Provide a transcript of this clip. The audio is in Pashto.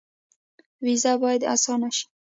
ویزه باید اسانه شي